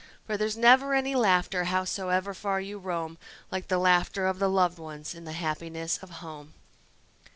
For there's never any laughter howsoever far you roam, Like the laughter of the loved ones in the happiness of home.